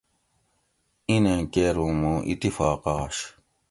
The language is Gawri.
اینیں کیر اُوں مُوں اتفاق آش